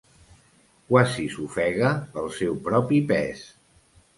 Quasi s'ofega pel seu propi pes.